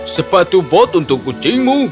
sepatu bot untuk kucingmu